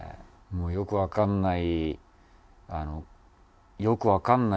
もうよくわかんない。